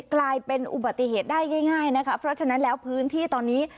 กลายเป็นอุบัติเหตุได้ง่ายนะคะเพราะฉะนั้นแล้วพื้นที่ตอนนี้